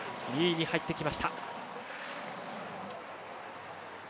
２位に入ってきました。